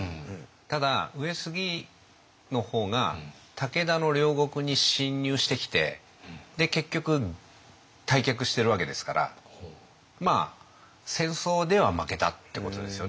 ただ上杉の方が武田の領国に侵入してきて結局退却しているわけですから戦争では負けたってことですよね上杉はね。